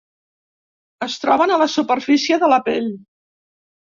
Es troben a la superfície de la pell.